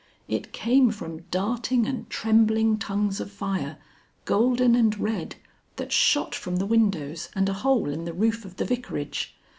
It came from darting and trembling tongues of fire, golden and red, that shot from the windows and a hole in the roof of the Vicarage.